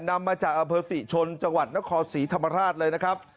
นำมาจากอำเภอศรีชนจังหวัดนครศรีธรรมราชเลยนะครับ